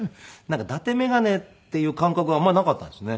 だて眼鏡っていう感覚はあんまりなかったですね。